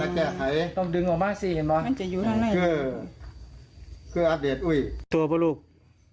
คือคือันจะเป็นเธาบ่อย